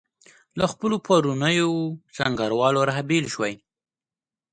له خپلو پرونیو سنګروالو رابېل شوي.